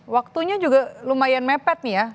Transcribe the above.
waktunya juga lumayan mepet nih ya